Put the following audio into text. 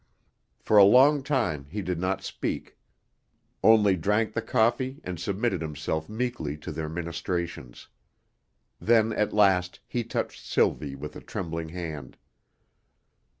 For a long time he did not speak, only drank the coffee and submitted himself meekly to their ministrations; then at last he touched Sylvie with a trembling hand.